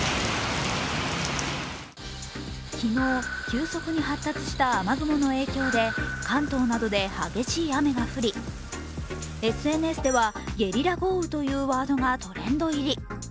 昨日、急速に発達した雨雲の影響で関東などで激しい雨が降り、ＳＮＳではゲリラ豪雨というワードがトレンド入り。